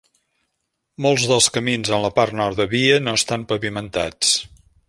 Molts dels camins en la part nord de Vie no estan pavimentats.